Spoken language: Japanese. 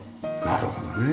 なるほどね。